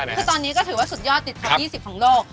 คือตอนนี้ก็ถือว่าสุดยอดติดทัพ๒๐ของโลก